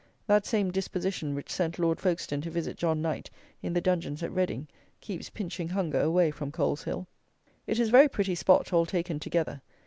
That same disposition which sent Lord Folkestone to visit John Knight in the dungeons at Reading keeps pinching hunger away from Coleshill. It is a very pretty spot all taken together.